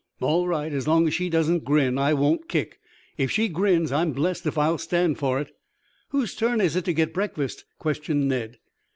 "All right. As long as she doesn't grin, I won't kick. If she grins I'm blest if I'll stand for it." "Whose turn is it to get breakfast?" questioned Ned.